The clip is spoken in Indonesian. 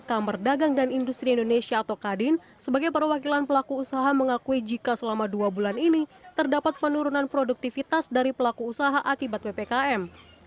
kamar dagang dan industri indonesia atau kadin sebagai perwakilan pelaku usaha mengakui jika selama dua bulan ini terdapat penurunan produktivitas dari pelaku usaha akibat ppkm